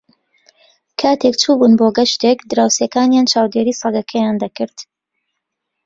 کاتێک چوو بوون بۆ گەشتێک، دراوسێکانیان چاودێریی سەگەکەیان دەکرد.